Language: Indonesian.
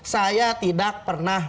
saya tidak pernah